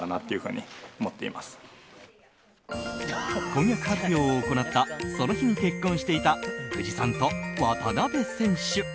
婚約発表を行ったその日に結婚していた久慈さんと渡邊選手。